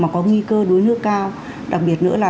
có nghi cơ đuối nước cao